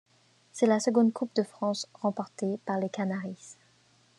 C'est la seconde Coupe de France remportée par les Canaris.